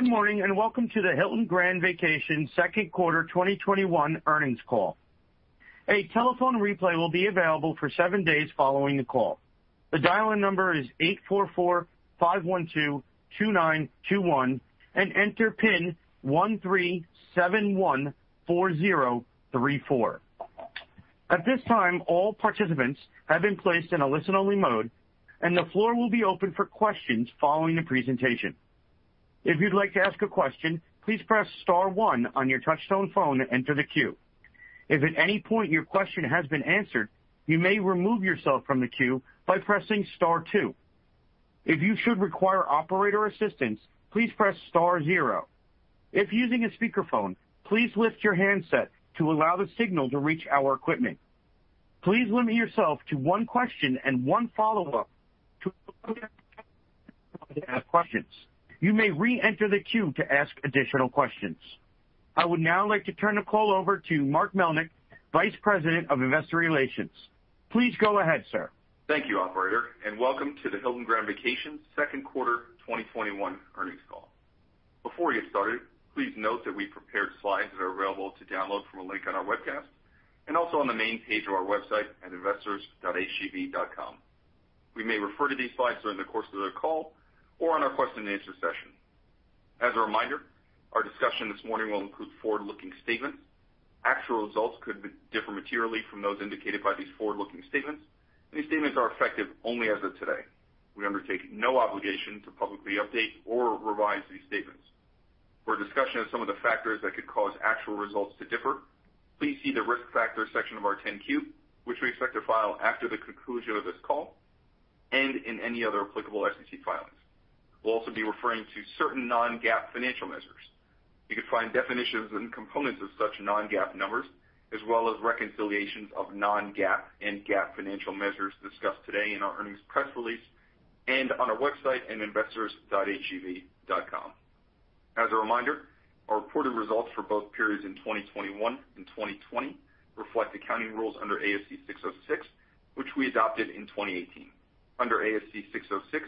Good morning, and welcome to the Hilton Grand Vacations second quarter 2021 earnings call. A telephone replay will be available for 7 days following the call. The dial-in number is 844-512-2921 and enter PIN 13714034. At this time, all participants have been placed in a listen-only mode, and the floor will be open for questions following the presentation. If you'd like to ask a question, please press star one on your touchtone phone to enter the queue. If at any point your question has been answered, you may remove yourself from the queue by pressing star two. If you should require operator assistance, please press star zero. If using a speakerphone, please lift your handset to allow the signal to reach our equipment. Please limit yourself to one question and one follow-up to ask questions. You may reenter the queue to ask additional questions. I would now like to turn the call over to Mark Melnick, Vice President of Investor Relations. Please go ahead, sir. Thank you, Operator, and welcome to the Hilton Grand Vacations second quarter 2021 earnings call. Before we get started, please note that we prepared slides that are available to download from a link on our webcast and also on the main page of our website at investors.hgv.com. We may refer to these slides during the course of the call or on our question-and-answer session. As a reminder, our discussion this morning will include forward-looking statements. Actual results could differ materially from those indicated by these forward-looking statements, and these statements are effective only as of today. We undertake no obligation to publicly update or revise these statements. For a discussion of some of the factors that could cause actual results to differ, please see the Risk Factors section of our 10-Q, which we expect to file after the conclusion of this call, and in any other applicable SEC filings. We'll also be referring to certain non-GAAP financial measures. You can find definitions and components of such non-GAAP numbers, as well as reconciliations of non-GAAP and GAAP financial measures discussed today in our earnings press release and on our website at investors.hgv.com. As a reminder, our reported results for both periods in 2021 and 2020 reflect accounting rules under ASC 606, which we adopted in 2018. Under ASC 606,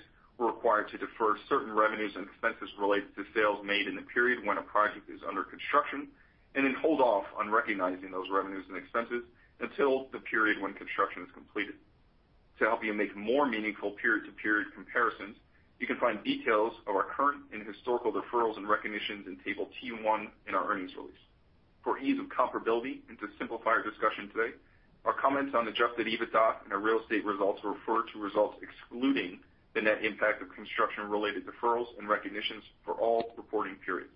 we're required to defer certain revenues and expenses related to sales made in the period when a project is under construction, and then hold off on recognizing those revenues and expenses until the period when construction is completed. To help you make more meaningful period-to-period comparisons, you can find details of our current and historical deferrals and recognitions in Table T-1 in our earnings release. For ease of comparability and to simplify our discussion today, our comments on Adjusted EBITDA and our real estate results refer to results excluding the net impact of construction-related deferrals and recognitions for all reporting periods.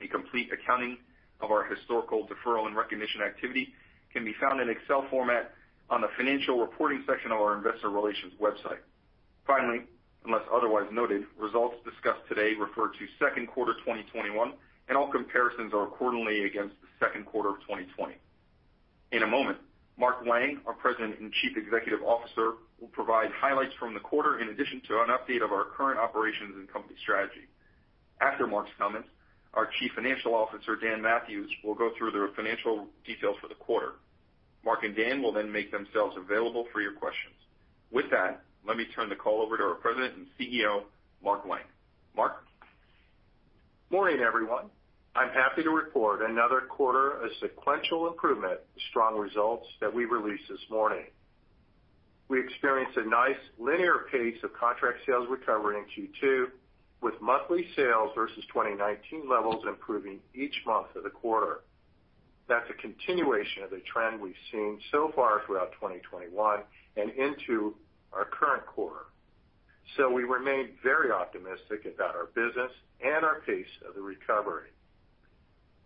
A complete accounting of our historical deferral and recognition activity can be found in Excel format on the financial reporting section of our investor relations website. Finally, unless otherwise noted, results discussed today refer to second quarter 2021, and all comparisons are quarterly against the second quarter of 2020. In a moment, Mark Wang, our President and Chief Executive Officer, will provide highlights from the quarter in addition to an update of our current operations and company strategy. After Mark's comments, our Chief Financial Officer, Dan Mathewes, will go through the financial details for the quarter. Mark and Dan will then make themselves available for your questions. With that, let me turn the call over to our President and CEO, Mark Wang. Mark? Morning, everyone. I'm happy to report another quarter of sequential improvement and strong results that we released this morning. We experienced a nice linear pace of contract sales recovery in Q2, with monthly sales versus 2019 levels improving each month of the quarter. That's a continuation of the trend we've seen so far throughout 2021 and into our current quarter. We remain very optimistic about our business and our pace of the recovery.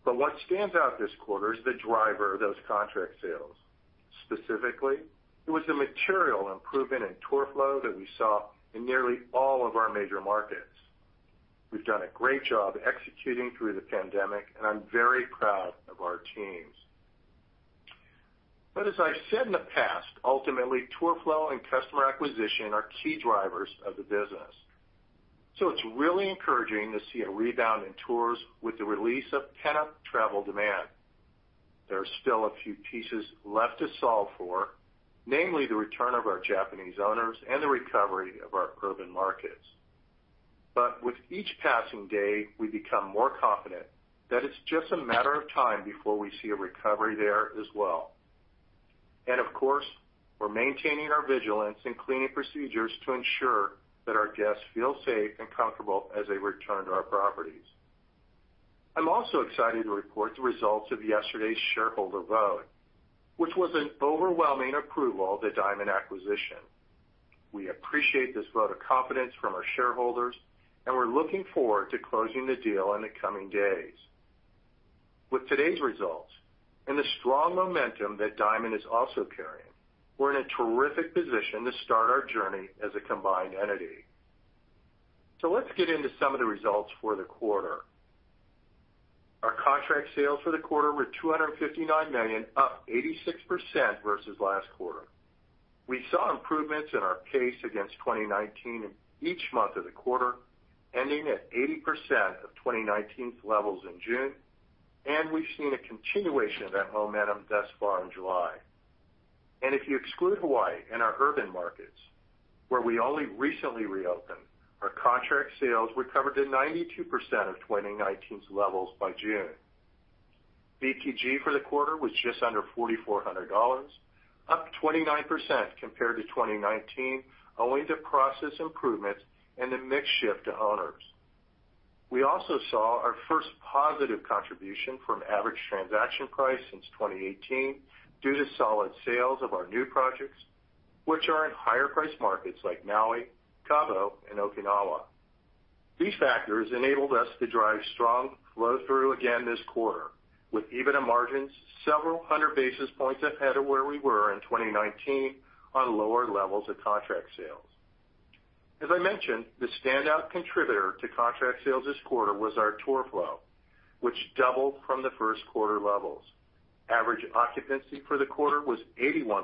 What stands out this quarter is the driver of those contract sales. Specifically, it was a material improvement in tour flow that we saw in nearly all of our major markets. We've done a great job executing through the pandemic, and I'm very proud of our teams. As I've said in the past, ultimately, tour flow and customer acquisition are key drivers of the business. It's really encouraging to see a rebound in tours with the release of pent-up travel demand. There are still a few pieces left to solve for, namely the return of our Japanese owners and the recovery of our urban markets. With each passing day, we become more confident that it's just a matter of time before we see a recovery there as well. Of course, we're maintaining our vigilance and cleaning procedures to ensure that our guests feel safe and comfortable as they return to our properties. I'm also excited to report the results of yesterday's shareholder vote, which was an overwhelming approval of the Diamond acquisition. We appreciate this vote of confidence from our shareholders, and we're looking forward to closing the deal in the coming days. With today's results and the strong momentum that Diamond is also carrying, we're in a terrific position to start our journey as a combined entity. So let's get into some of the results for the quarter. Our contract sales for the quarter were $259 million, up 86% versus last quarter. We saw improvements in our pace against 2019 in each month of the quarter, ending at 80% of 2019's levels in June, and we've seen a continuation of that momentum thus far in July. And if you exclude Hawaii and our urban markets, where we only recently reopened, our contract sales recovered to 92% of 2019's levels by June. VPG for the quarter was just under $4,400, up 29% compared to 2019, owing to process improvements and the mix shift to owners. We also saw our first positive contribution from average transaction price since 2018 due to solid sales of our new projects, which are in higher price markets like Maui, Cabo and Okinawa. These factors enabled us to drive strong flow through again this quarter, with EBITDA margins several hundred basis points ahead of where we were in 2019 on lower levels of contract sales. As I mentioned, the standout contributor to contract sales this quarter was our tour flow, which doubled from the first quarter levels. Average occupancy for the quarter was 81%.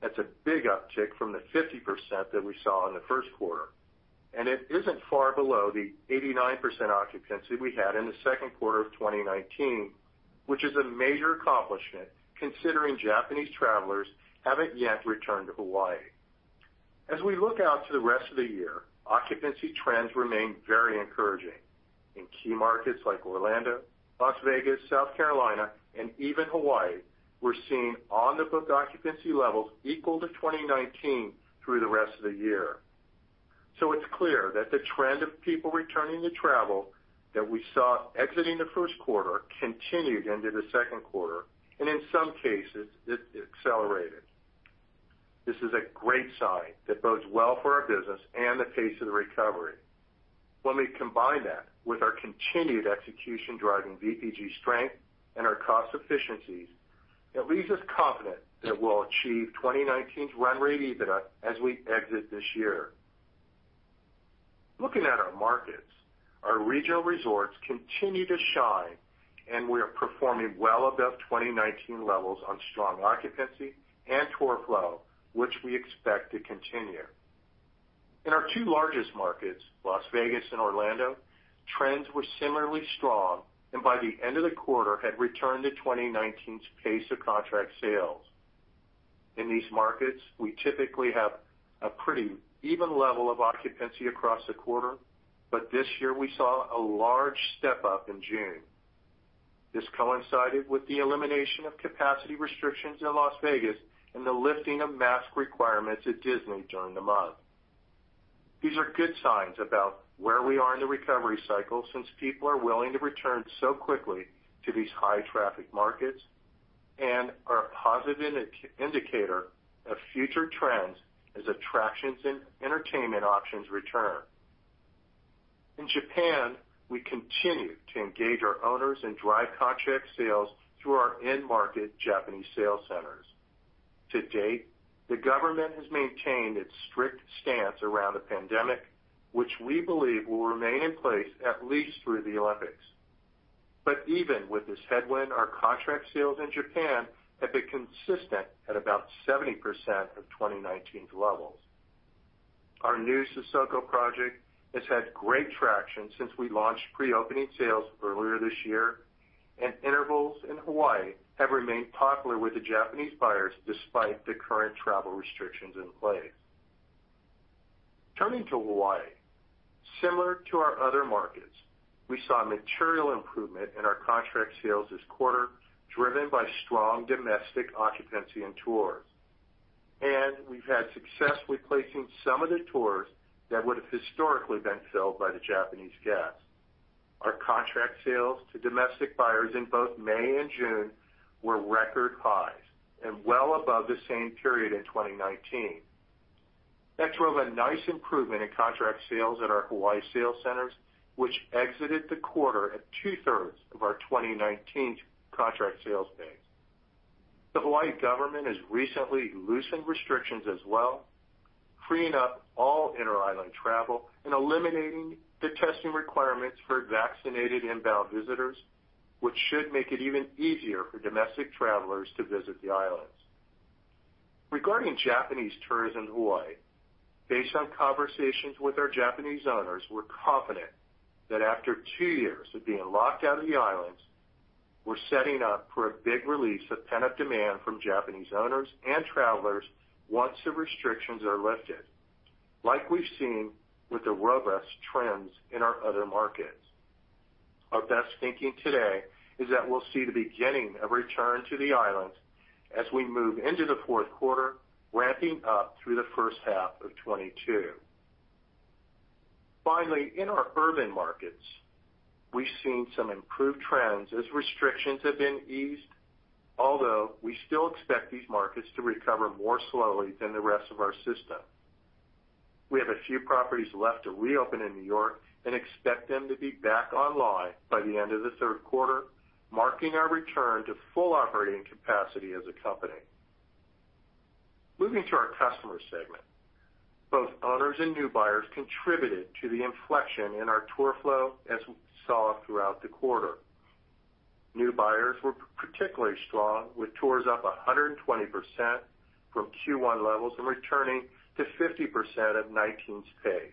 That's a big uptick from the 50% that we saw in the first quarter, and it isn't far below the 89% occupancy we had in the second quarter of 2019, which is a major accomplishment, considering Japanese travelers haven't yet returned to Hawaii. As we look out to the rest of the year, occupancy trends remain very encouraging. In key markets like Orlando, Las Vegas, South Carolina, and even Hawaii, we're seeing on-the-book occupancy levels equal to 2019 through the rest of the year. So it's clear that the trend of people returning to travel that we saw exiting the first quarter continued into the second quarter, and in some cases, it accelerated. This is a great sign that bodes well for our business and the pace of the recovery. When we combine that with our continued execution driving VPG strength and our cost efficiencies, it leaves us confident that we'll achieve 2019's run rate EBITDA as we exit this year. Looking at our markets, our regional resorts continue to shine, and we are performing well above 2019 levels on strong occupancy and tour flow, which we expect to continue. In our two largest markets, Las Vegas and Orlando, trends were similarly strong, and by the end of the quarter, had returned to 2019's pace of contract sales. In these markets, we typically have a pretty even level of occupancy across the quarter, but this year we saw a large step up in June. This coincided with the elimination of capacity restrictions in Las Vegas and the lifting of mask requirements at Disney during the month. These are good signs about where we are in the recovery cycle, since people are willing to return so quickly to these high traffic markets and are a positive indicator of future trends as attractions and entertainment options return. In Japan, we continue to engage our owners and drive contract sales through our end market Japanese sales centers. To date, the government has maintained its strict stance around the pandemic, which we believe will remain in place at least through the Olympics. Even with this headwind, our contract sales in Japan have been consistent at about 70% of 2019's levels. Our new Sesoko project has had great traction since we launched pre-opening sales earlier this year, and intervals in Hawaii have remained popular with the Japanese buyers despite the current travel restrictions in place. Turning to Hawaii, similar to our other markets, we saw a material improvement in our contract sales this quarter, driven by strong domestic occupancy and tours. We've had success with placing some of the tours that would have historically been filled by the Japanese guests. Our contract sales to domestic buyers in both May and June were record highs and well above the same period in 2019. That drove a nice improvement in contract sales at our Hawaii sales centers, which exited the quarter at two-thirds of our 2019 contract sales base. The Hawaii government has recently loosened restrictions as well, freeing up all inter-island travel and eliminating the testing requirements for vaccinated inbound visitors, which should make it even easier for domestic travelers to visit the islands. Regarding Japanese tourists in Hawaii, based on conversations with our Japanese owners, we're confident that after 2 years of being locked out of the islands, we're setting up for a big release of pent-up demand from Japanese owners and travelers once the restrictions are lifted, like we've seen with the robust trends in our other markets. Our best thinking today is that we'll see the beginning of return to the island as we move into the fourth quarter, ramping up through the first half of 2022. Finally, in our urban markets, we've seen some improved trends as restrictions have been eased, although we still expect these markets to recover more slowly than the rest of our system. We have a few properties left to reopen in New York and expect them to be back online by the end of the third quarter, marking our return to full operating capacity as a company. Moving to our customer segment. Both owners and new buyers contributed to the inflection in our tour flow, as we saw throughout the quarter. New buyers were particularly strong, with tours up 120% from Q1 levels and returning to 50% of 2019's pace....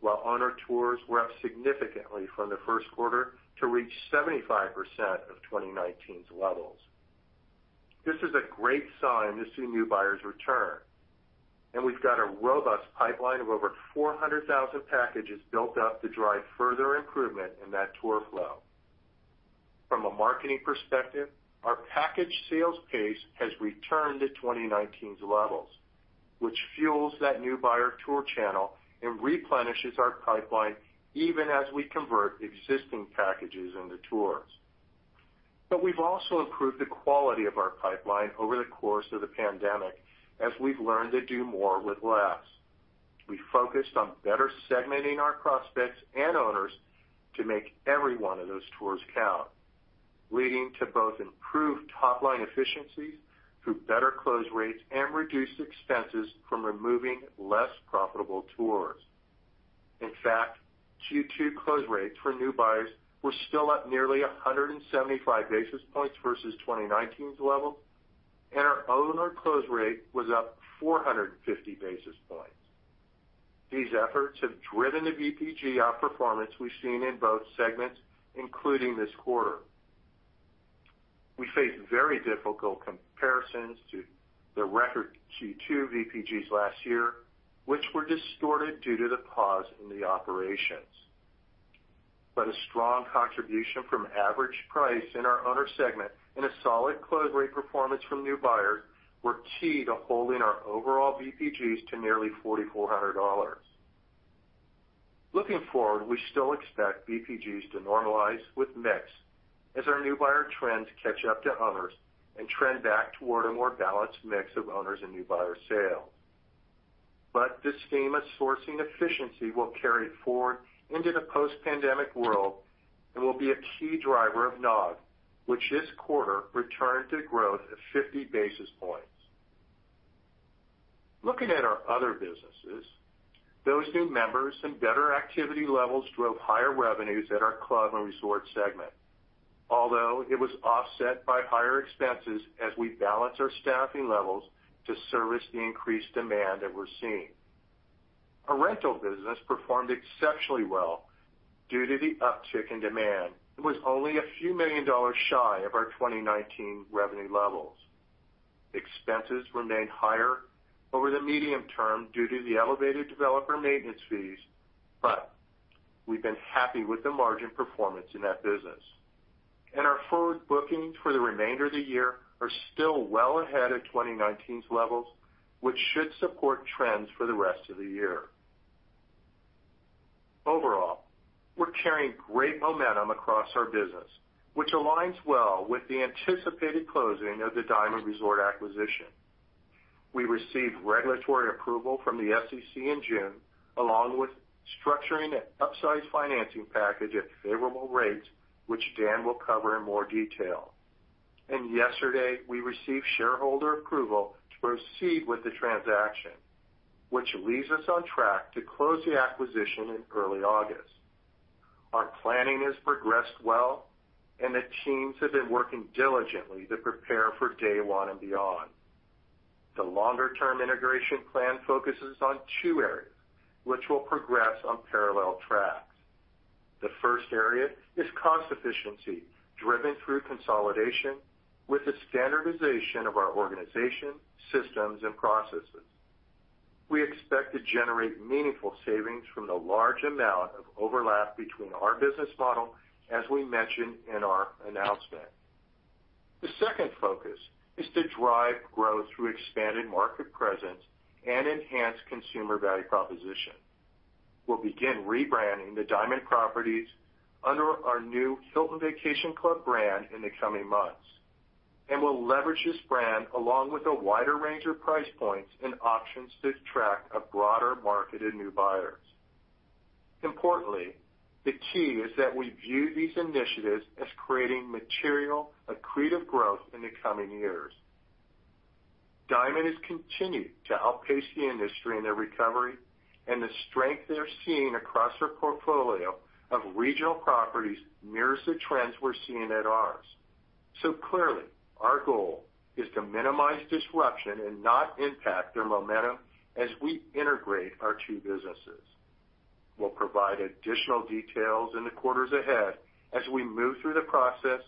While owner tours were up significantly from the first quarter to reach 75% of 2019's levels. This is a great sign to see new buyers return, and we've got a robust pipeline of over 400,000 packages built up to drive further improvement in that tour flow. From a marketing perspective, our package sales pace has returned to 2019's levels, which fuels that new buyer tour channel and replenishes our pipeline even as we convert existing packages into tours. But we've also improved the quality of our pipeline over the course of the pandemic, as we've learned to do more with less. We focused on better segmenting our prospects and owners to make every one of those tours count, leading to both improved top line efficiencies through better close rates and reduced expenses from removing less profitable tours. In fact, Q2 close rates for new buyers were still up nearly 175 basis points versus 2019's level, and our owner close rate was up 450 basis points. These efforts have driven the VPG outperformance we've seen in both segments, including this quarter. We face very difficult comparisons to the record Q2 VPGs last year, which were distorted due to the pause in the operations. But a strong contribution from average price in our owner segment and a solid close rate performance from new buyers were key to holding our overall VPGs to nearly $4,400. Looking forward, we still expect VPGs to normalize with mix as our new buyer trends catch up to owners and trend back toward a more balanced mix of owners and new buyer sales. But this theme of sourcing efficiency will carry forward into the post-pandemic world and will be a key driver of NOG, which this quarter returned to growth of 50 basis points. Looking at our other businesses, those new members and better activity levels drove higher revenues at our club and resort segment, although it was offset by higher expenses as we balance our staffing levels to service the increased demand that we're seeing. Our rental business performed exceptionally well due to the uptick in demand. It was only a few million shy of our 2019 revenue levels. Expenses remain higher over the medium term due to the elevated developer maintenance fees, but we've been happy with the margin performance in that business. Our forward bookings for the remainder of the year are still well ahead of 2019's levels, which should support trends for the rest of the year. Overall, we're carrying great momentum across our business, which aligns well with the anticipated closing of the Diamond Resorts acquisition. We received regulatory approval from the SEC in June, along with structuring an upsized financing package at favorable rates, which Dan will cover in more detail. Yesterday, we received shareholder approval to proceed with the transaction, which leaves us on track to close the acquisition in early August. Our planning has progressed well, and the teams have been working diligently to prepare for day one and beyond. The longer-term integration plan focuses on two areas, which will progress on parallel tracks. The first area is cost efficiency, driven through consolidation with the standardization of our organization, systems and processes. We expect to generate meaningful savings from the large amount of overlap between our business model, as we mentioned in our announcement. The second focus is to drive growth through expanded market presence and enhanced consumer value proposition. We'll begin rebranding the Diamond properties under our new Hilton Vacation Club brand in the coming months, and we'll leverage this brand along with a wider range of price points and options to attract a broader market in new buyers. Importantly, the key is that we view these initiatives as creating material accretive growth in the coming years. Diamond has continued to outpace the industry in their recovery, and the strength they're seeing across their portfolio of regional properties mirrors the trends we're seeing at ours. So clearly, our goal is to minimize disruption and not impact their momentum as we integrate our two businesses. We'll provide additional details in the quarters ahead as we move through the process,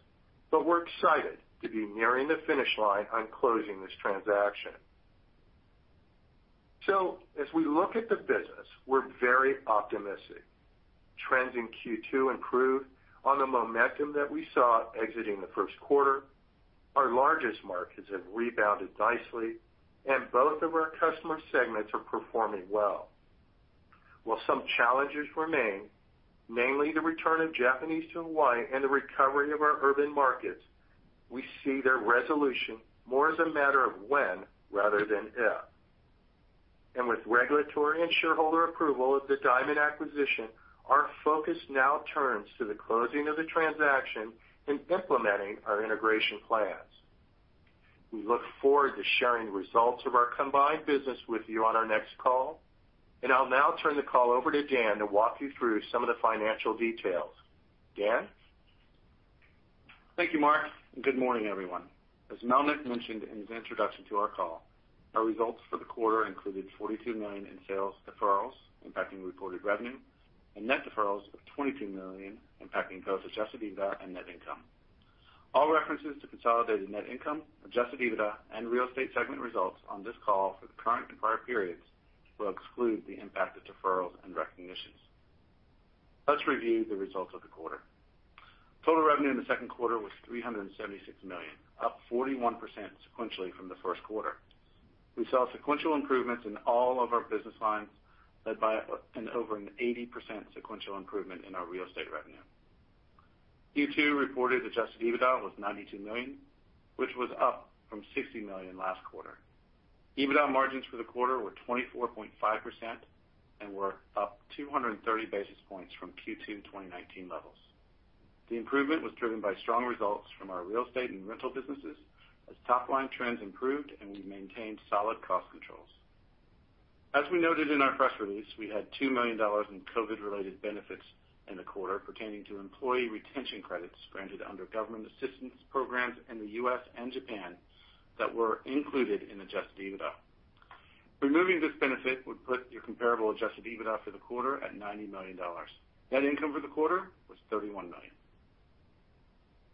but we're excited to be nearing the finish line on closing this transaction. So as we look at the business, we're very optimistic. Trends in Q2 improved on the momentum that we saw exiting the first quarter. Our largest markets have rebounded nicely, and both of our customer segments are performing well. While some challenges remain, namely the return of Japanese to Hawaii and the recovery of our urban markets, we see their resolution more as a matter of when rather than if. With regulatory and shareholder approval of the Diamond acquisition, our focus now turns to the closing of the transaction and implementing our integration plans. We look forward to sharing the results of our combined business with you on our next call, and I'll now turn the call over to Dan to walk you through some of the financial details. Dan?... Thank you, Mark, and good morning, everyone. As Melnick mentioned in his introduction to our call, our results for the quarter included $42 million in sales deferrals impacting reported revenue, and net deferrals of $22 million, impacting both Adjusted EBITDA and net income. All references to consolidated net income, Adjusted EBITDA, and real estate segment results on this call for the current and prior periods will exclude the impact of deferrals and recognitions. Let's review the results of the quarter. Total revenue in the second quarter was $376 million, up 41% sequentially from the first quarter. We saw sequential improvements in all of our business lines, led by over an 80% sequential improvement in our real estate revenue. Q2 reported Adjusted EBITDA was $92 million, which was up from $60 million last quarter. EBITDA margins for the quarter were 24.5% and were up 230 basis points from Q2 2019 levels. The improvement was driven by strong results from our real estate and rental businesses, as top line trends improved and we maintained solid cost controls. As we noted in our press release, we had $2 million in COVID-related benefits in the quarter pertaining to employee retention credits granted under government assistance programs in the U.S. and Japan that were included in Adjusted EBITDA. Removing this benefit would put your comparable Adjusted EBITDA for the quarter at $90 million. Net income for the quarter was $31 million.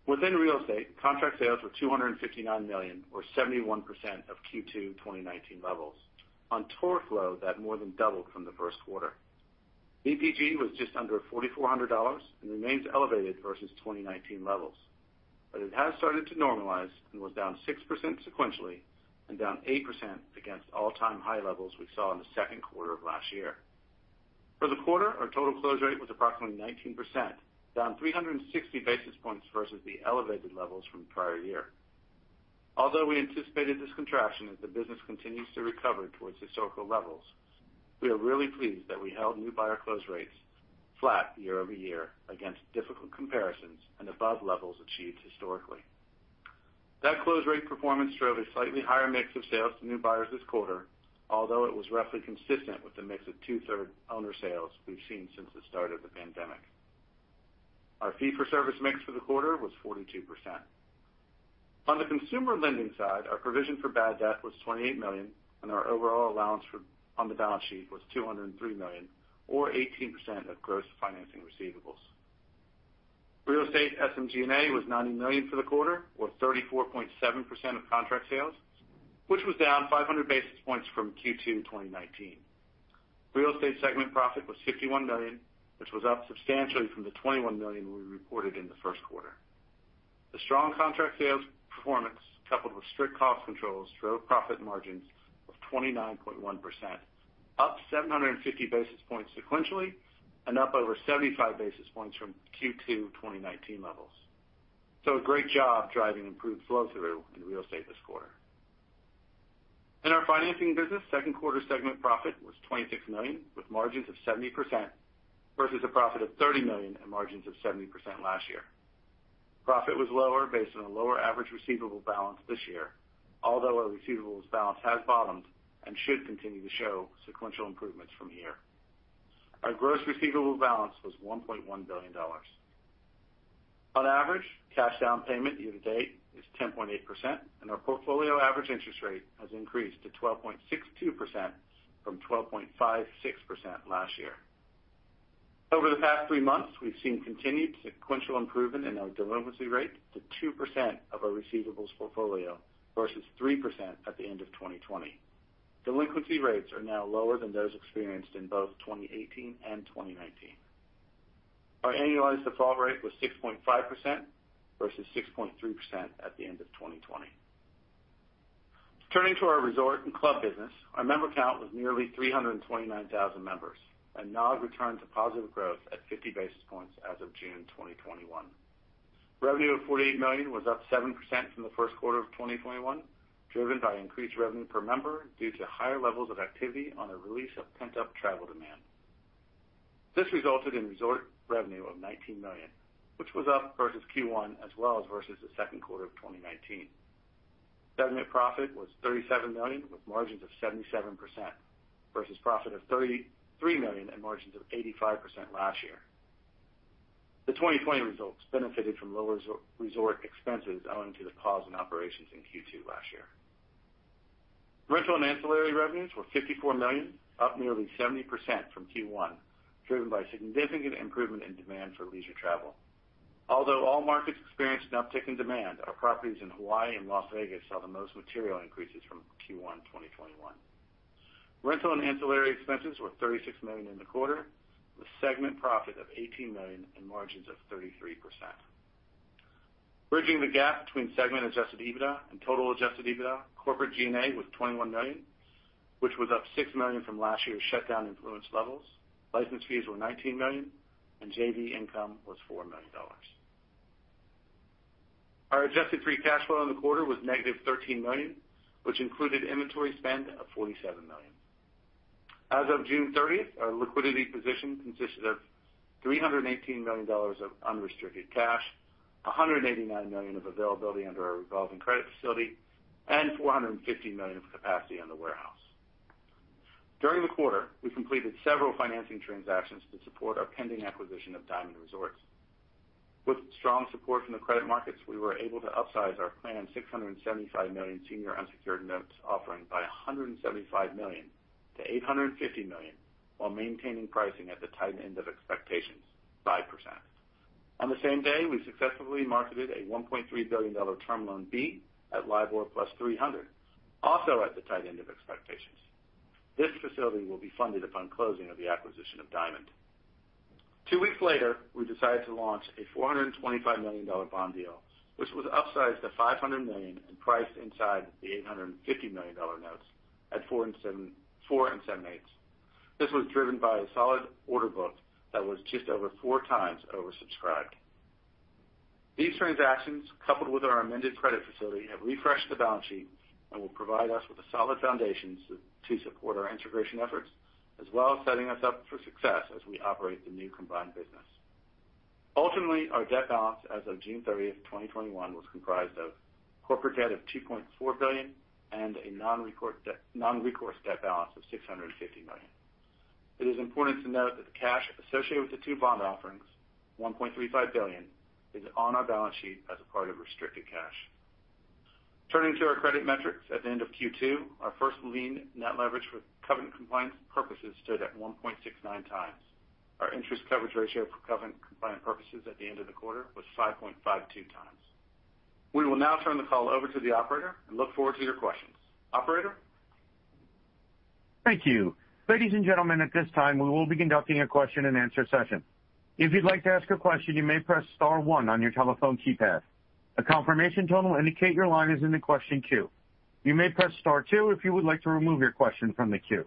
Within real estate, contract sales were $259 million, or 71% of Q2 2019 levels. On tour flow, that more than doubled from the first quarter. VPG was just under $4,400 and remains elevated versus 2019 levels. But it has started to normalize and was down 6% sequentially and down 8% against all-time high levels we saw in the second quarter of last year. For the quarter, our total close rate was approximately 19%, down 360 basis points versus the elevated levels from the prior year. Although we anticipated this contraction as the business continues to recover towards historical levels, we are really pleased that we held new buyer close rates flat year-over-year against difficult comparisons and above levels achieved historically. That close rate performance drove a slightly higher mix of sales to new buyers this quarter, although it was roughly consistent with the mix of two-thirds owner sales we've seen since the start of the pandemic. Our fee-for-service mix for the quarter was 42%. On the consumer lending side, our provision for bad debt was $28 million, and our overall allowance on the balance sheet was $203 million, or 18% of gross financing receivables. Real estate SMG&A was $90 million for the quarter, or 34.7% of contract sales, which was down 500 basis points from Q2 2019. Real estate segment profit was $51 million, which was up substantially from the $21 million we reported in the first quarter. The strong contract sales performance, coupled with strict cost controls, drove profit margins of 29.1%, up 750 basis points sequentially and up over 75 basis points from Q2 2019 levels. So a great job driving improved flow through in real estate this quarter. In our financing business, second quarter segment profit was $26 million, with margins of 70%, versus a profit of $30 million and margins of 70% last year. Profit was lower based on a lower average receivable balance this year, although our receivables balance has bottomed and should continue to show sequential improvements from here. Our gross receivable balance was $1.1 billion. On average, cash down payment year to date is 10.8%, and our portfolio average interest rate has increased to 12.62% from 12.56% last year. Over the past three months, we've seen continued sequential improvement in our delinquency rate to 2% of our receivables portfolio versus 3% at the end of 2020. Delinquency rates are now lower than those experienced in both 2018 and 2019. Our annualized default rate was 6.5% versus 6.3% at the end of 2020. Turning to our resort and club business, our member count was nearly 329,000 members, and now have returned to positive growth at 50 basis points as of June 2021. Revenue of $48 million was up 7% from the first quarter of 2021, driven by increased revenue per member due to higher levels of activity on the release of pent-up travel demand. This resulted in resort revenue of $19 million, which was up versus Q1, as well as versus the second quarter of 2019. Segment profit was $37 million, with margins of 77%, versus profit of $33 million and margins of 85% last year. The 2020 results benefited from lower resort expenses owing to the pause in operations in Q2 last year. Rental and ancillary revenues were $54 million, up nearly 70% from Q1, driven by significant improvement in demand for leisure travel. Although all markets experienced an uptick in demand, our properties in Hawaii and Las Vegas saw the most material increases from Q1 2021. Rental and ancillary expenses were $36 million in the quarter, with segment profit of $18 million and margins of 33%. Bridging the gap between segment Adjusted EBITDA and total Adjusted EBITDA, corporate G&A was $21 million, which was up $6 million from last year's shutdown influence levels. License fees were $19 million, and JV income was $4 million. Our adjusted free cash flow in the quarter was -$13 million, which included inventory spend of $47 million. As of June 30th, our liquidity position consisted of $318 million of unrestricted cash, $189 million of availability under our revolving credit facility, and $450 million of capacity on the warehouse.... During the quarter, we completed several financing transactions to support our pending acquisition of Diamond Resorts. With strong support from the credit markets, we were able to upsize our planned $675 million senior unsecured notes offering by $175 million to $850 million, while maintaining pricing at the tight end of expectations, 5%. On the same day, we successfully marketed a $1.3 billion Term Loan B at LIBOR plus 300, also at the tight end of expectations. This facility will be funded upon closing of the acquisition of Diamond. Two weeks later, we decided to launch a $425 million bond deal, which was upsized to $500 million and priced inside the $850 million notes at 4 7/8. This was driven by a solid order book that was just over 4 times oversubscribed. These transactions, coupled with our amended credit facility, have refreshed the balance sheet and will provide us with a solid foundation to support our integration efforts, as well as setting us up for success as we operate the new combined business. Ultimately, our debt balance as of June 30, 2021, was comprised of corporate debt of $2.4 billion and a non-recourse debt balance of $650 million. It is important to note that the cash associated with the two bond offerings, $1.35 billion, is on our balance sheet as a part of restricted cash. Turning to our credit metrics, at the end of Q2, our first lien net leverage for covenant compliance purposes stood at 1.69 times. Our interest coverage ratio for covenant compliance purposes at the end of the quarter was 5.52 times. We will now turn the call over to the operator and look forward to your questions. Operator? Thank you. Ladies and gentlemen, at this time, we will be conducting a question-and-answer session. If you'd like to ask a question, you may press star one on your telephone keypad. A confirmation tone will indicate your line is in the question queue. You may press star two if you would like to remove your question from the queue.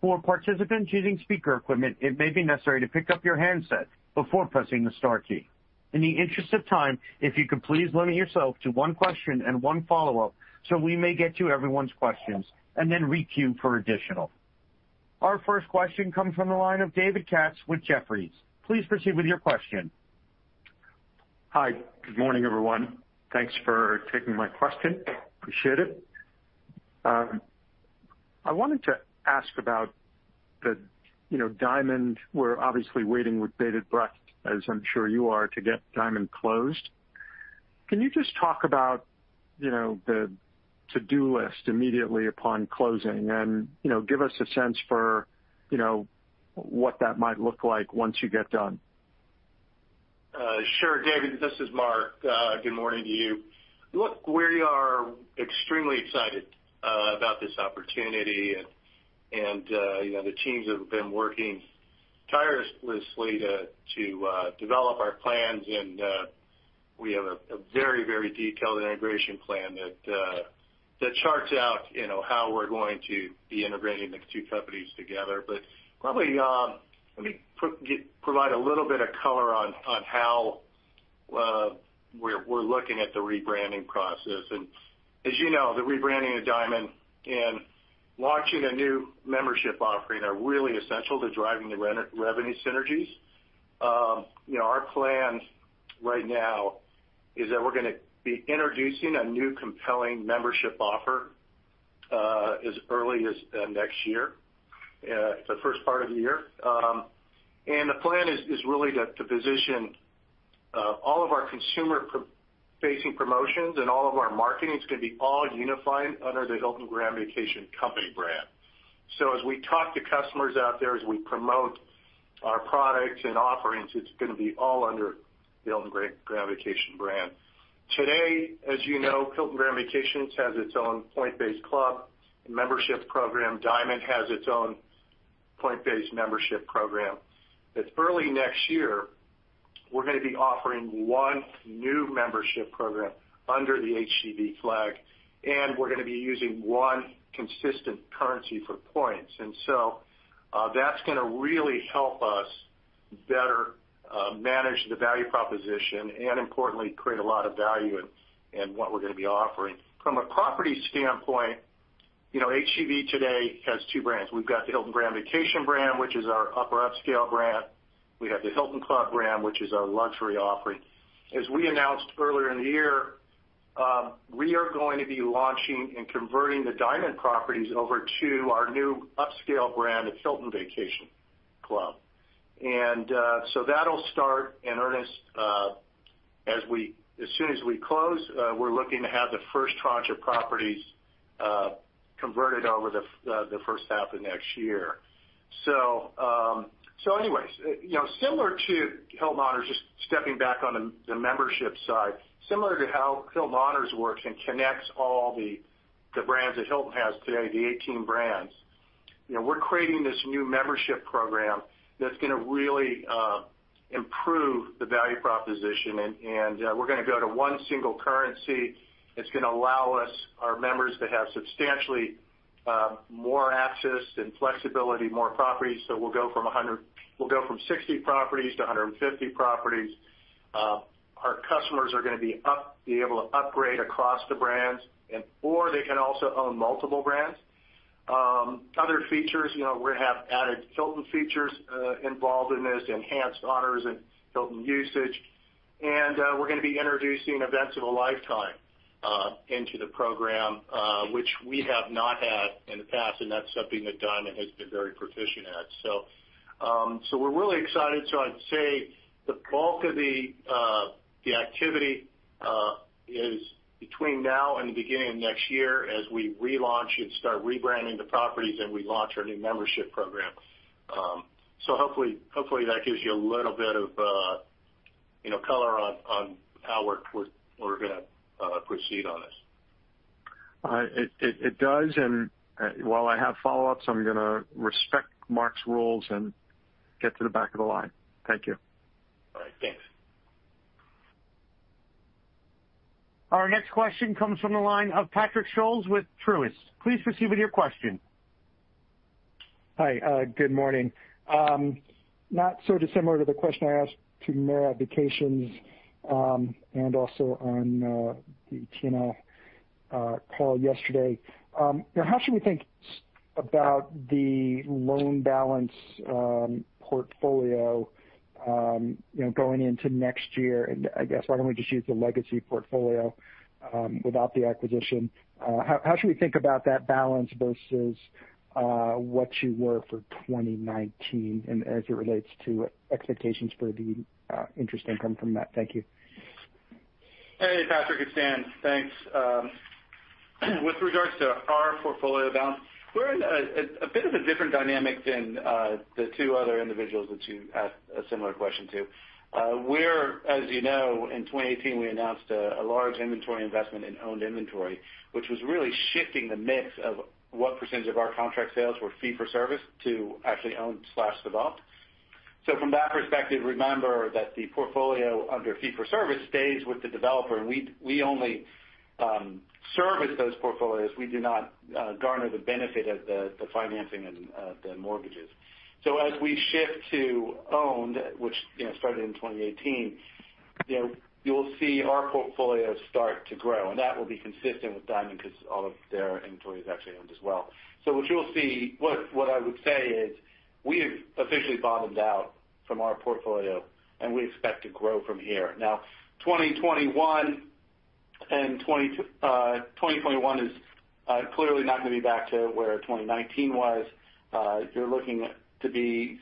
For participants using speaker equipment, it may be necessary to pick up your handset before pressing the star key. In the interest of time, if you could please limit yourself to one question and one follow-up so we may get to everyone's questions, and then re-queue for additional. Our first question comes from the line of David Katz with Jefferies. Please proceed with your question. Hi, good morning, everyone. Thanks for taking my question. Appreciate it. I wanted to ask about the, you know, Diamond. We're obviously waiting with bated breath, as I'm sure you are, to get Diamond closed. Can you just talk about, you know, the to-do list immediately upon closing and, you know, give us a sense for, you know, what that might look like once you get done? Sure, David, this is Mark. Good morning to you. Look, we are extremely excited about this opportunity, and, and, you know, the teams have been working tirelessly to develop our plans, and, we have a very, very detailed integration plan that that charts out, you know, how we're going to be integrating the two companies together. But probably, let me provide a little bit of color on how we're looking at the rebranding process. And as you know, the rebranding of Diamond and launching a new membership offering are really essential to driving the revenue synergies. You know, our plan right now is that we're gonna be introducing a new compelling membership offer, as early as next year, the first part of the year. And the plan is really to position all of our consumer-facing promotions and all of our marketing is gonna be all unified under the Hilton Grand Vacations company brand. So as we talk to customers out there, as we promote our products and offerings, it's gonna be all under the Hilton Grand Vacations brand. Today, as you know, Hilton Grand Vacations has its own point-based club and membership program. Diamond has its own point-based membership program. But early next year, we're gonna be offering one new membership program under the HGV flag, and we're gonna be using one consistent currency for points. And so, that's gonna really help us better manage the value proposition and importantly, create a lot of value in what we're gonna be offering. From a property standpoint, you know, HGV today has two brands. We've got the Hilton Grand Vacations brand, which is our upper upscale brand. We have the Hilton Club brand, which is our luxury offering. As we announced earlier in the year, we are going to be launching and converting the Diamond properties over to our new upscale brand, the Hilton Vacation Club. And, so that'll start in earnest, as soon as we close, we're looking to have the first tranche of properties, converted over the, the first half of next year. So anyways, you know, similar to Hilton Honors, just stepping back on the membership side, similar to how Hilton Honors works and connects all the brands that Hilton has today, the 18 brands, you know, we're creating this new membership program that's gonna really improve the value proposition, and we're gonna go to one single currency. It's gonna allow us, our members, to have substantially more access and flexibility, more properties. So we'll go from 100... We'll go from 60 properties to 150 properties. Our customers are gonna be able to upgrade across the brands, and/or they can also own multiple brands. Other features, you know, we're gonna have Hilton features involved in this, enhanced Honors and Hilton usage. We're going to be introducing Events of a Lifetime into the program, which we have not had in the past, and that's something that Diamond has been very proficient at. So we're really excited. So I'd say the bulk of the activity is between now and the beginning of next year as we relaunch and start rebranding the properties and we launch our new membership program. So hopefully that gives you a little bit of you know, color on how we're going to proceed on this. It does. And while I have follow-ups, I'm gonna respect Mark's rules and get to the back of the line. Thank you. All right, thanks. Our next question comes from the line of Patrick Scholes with Truist. Please proceed with your question. Hi, good morning. Not so dissimilar to the question I asked to Marriott Vacations, and also on the TNL call yesterday. How should we think about the loan balance, portfolio, you know, going into next year? And I guess why don't we just use the legacy portfolio, without the acquisition. How should we think about that balance versus what you were for 2019 and as it relates to expectations for the interest income from that? Thank you. Hey, Patrick, it's Dan. Thanks. With regards to our portfolio balance, we're in a bit of a different dynamic than the two other individuals that you asked a similar question to. We're—as you know, in 2018, we announced a large inventory investment in owned inventory, which was really shifting the mix of what percentage of our contract sales were fee-for-service to actually own slash develop. So from that perspective, remember that the portfolio under fee-for-service stays with the developer, and we only service those portfolios. We do not garner the benefit of the financing and the mortgages. So as we shift to owned, which, you know, started in 2018, you know, you'll see our portfolio start to grow, and that will be consistent with Diamond because all of their inventory is actually owned as well. So what you'll see, what I would say is, we have officially bottomed out from our portfolio, and we expect to grow from here. Now, 2021 and 2021 is clearly not going to be back to where 2019 was. You're looking to be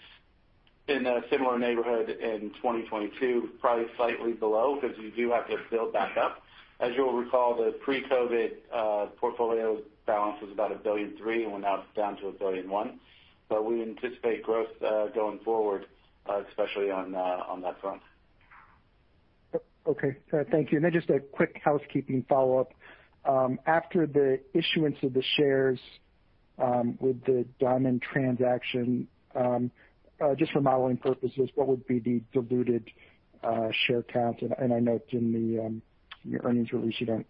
in a similar neighborhood in 2022, probably slightly below, because you do have to build back up. As you'll recall, the pre-COVID portfolio balance was about $1.3 billion, and we're now down to $1.1 billion. But we anticipate growth going forward, especially on that front. Okay, thank you. Then just a quick housekeeping follow-up. After the issuance of the shares with the Diamond transaction, just for modeling purposes, what would be the diluted share count? And I note in your earnings release, you don't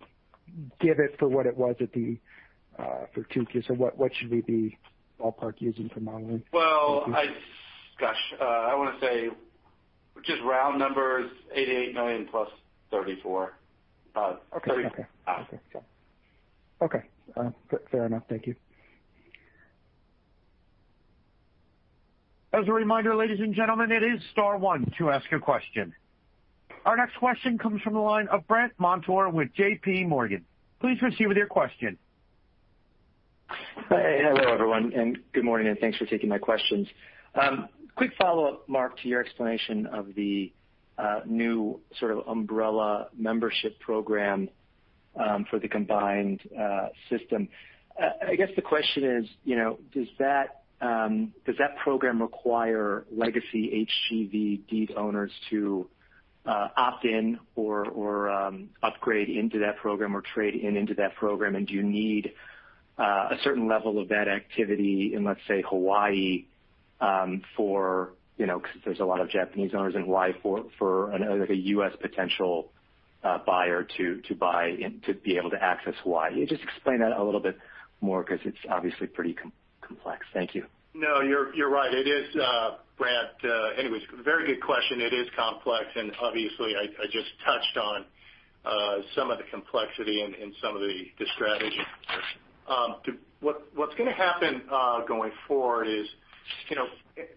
give it for what it was at the for 2Q. So what should we be ballpark using for modeling? Well, gosh, I want to say just round numbers, 88 million plus 34, 30- Okay. Okay. Fair enough. Thank you. As a reminder, ladies and gentlemen, it is star one to ask a question. Our next question comes from the line of Brandt Montour with Barclays. Please proceed with your question. Hi. Hello, everyone, and good morning, and thanks for taking my questions. Quick follow-up, Mark, to your explanation of the new sort of umbrella membership program for the combined system. I guess the question is, you know, does that program require legacy HGV deed owners to opt in or, or, upgrade into that program or trade in into that program? And do you need a certain level of that activity in, let's say, Hawaii, for, you know, because there's a lot of Japanese owners in Hawaii, for, for, an, like, a U.S. potential buyer to, to buy and to be able to access Hawaii? Just explain that a little bit more because it's obviously pretty complex. Thank you. No, you're, you're right. It is, Brent, anyways, very good question. It is complex, and obviously, I, I just touched on some of the complexity and some of the strategy. To what, what's gonna happen going forward is, you know,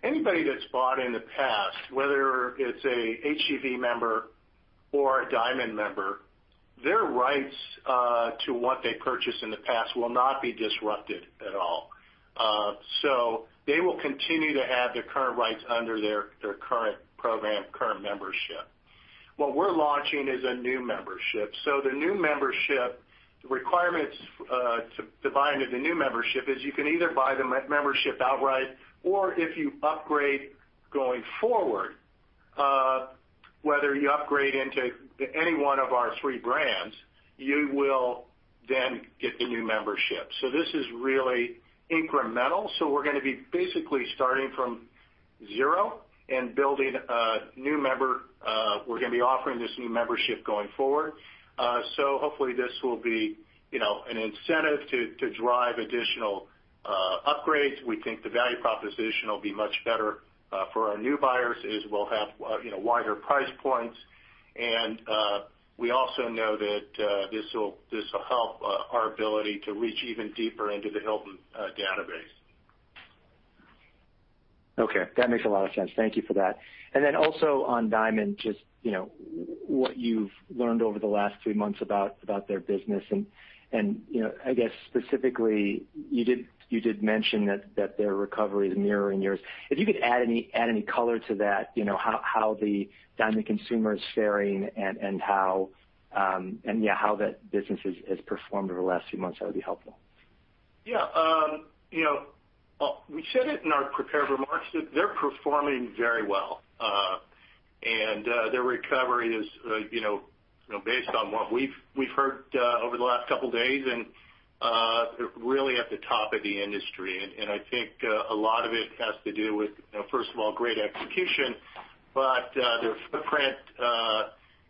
anybody that's bought in the past, whether it's a HGV member or a Diamond member, their rights to what they purchased in the past will not be disrupted at all. So they will continue to have their current rights under their current program, current membership. What we're launching is a new membership. So the new membership, the requirements to divide into the new membership is you can either buy the membership outright, or if you upgrade going forward, whether you upgrade into any one of our three brands, you will then get the new membership. This is really incremental. We're gonna be basically starting from zero and building a new member, we're gonna be offering this new membership going forward. Hopefully, this will be, you know, an incentive to drive additional upgrades. We think the value proposition will be much better for our new buyers is we'll have, you know, wider price points, and we also know that this will help our ability to reach even deeper into the Hilton database. Okay, that makes a lot of sense. Thank you for that. And then also on Diamond, just, you know, what you've learned over the last three months about their business and, you know, I guess specifically, you did mention that their recovery is mirroring yours. If you could add any color to that, you know, how the Diamond consumer is faring and how that business has performed over the last few months, that would be helpful. Yeah, you know, we said it in our prepared remarks that they're performing very well. And their recovery is, you know, based on what we've heard over the last couple days, and really at the top of the industry. And I think a lot of it has to do with, you know, first of all, great execution. But their footprint,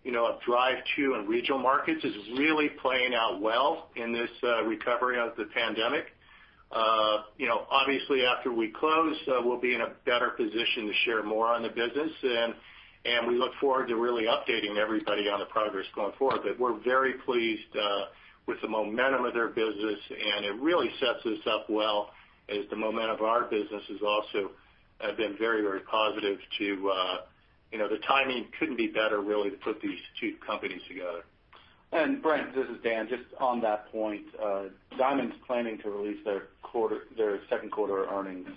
you know, of drive-to and regional markets is really playing out well in this recovery of the pandemic. You know, obviously, after we close, we'll be in a better position to share more on the business, and we look forward to really updating everybody on the progress going forward. But we're very pleased with the momentum of their business, and it really sets us up well as the momentum of our business has also been very, very positive to, you know... The timing couldn't be better really to put these two companies together. Brandt, this is Dan. Just on that point, Diamond's planning to release their quarter, their second quarter earnings,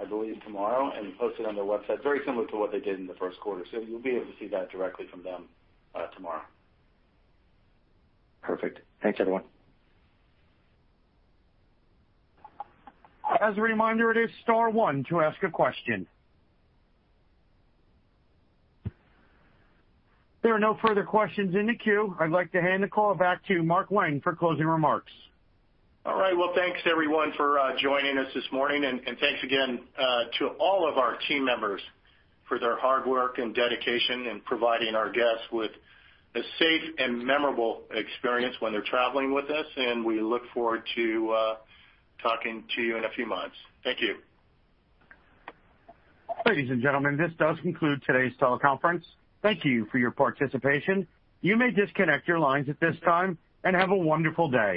I believe, tomorrow, and post it on their website, very similar to what they did in the first quarter. So you'll be able to see that directly from them, tomorrow. Perfect. Thanks, everyone. As a reminder, it is star one to ask a question. There are no further questions in the queue. I'd like to hand the call back to Mark Wang for closing remarks. All right. Well, thanks, everyone, for joining us this morning. And thanks again to all of our team members for their hard work and dedication in providing our guests with a safe and memorable experience when they're traveling with us, and we look forward to talking to you in a few months. Thank you. Ladies and gentlemen, this does conclude today's teleconference. Thank you for your participation. You may disconnect your lines at this time, and have a wonderful day.